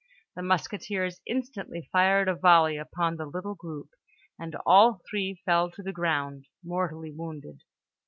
The musketeers instantly fired a volley upon the little group; and all three fell to the ground, mortally wounded.